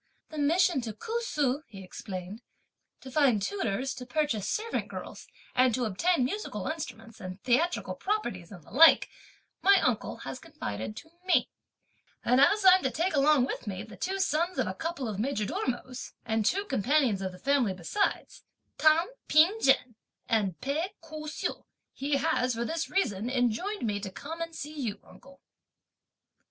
"The mission to Ku Su," he explained, "to find tutors, to purchase servant girls, and to obtain musical instruments, and theatrical properties and the like, my uncle has confided to me; and as I'm to take along with me the two sons of a couple of majordomos, and two companions of the family, besides, Tan P'ing jen and Pei Ku hsiu, he has, for this reason, enjoined me to come and see you, uncle."